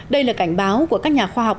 đây là cảnh báo của các nhà khoa học